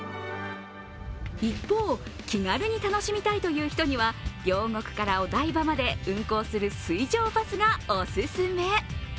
一方、気軽に楽しみたいという人には両国からお台場まで運航する水上バスがオススメ。